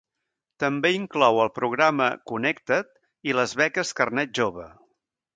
També inclou el programa Connecta't i les beques Carnet Jove.